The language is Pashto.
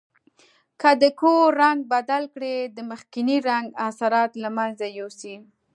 که د کور رنګ بدل کړئ د مخکني رنګ اثرات له منځه یوسئ.